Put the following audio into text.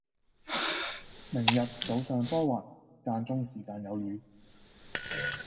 明日早上多雲，間中時間有雨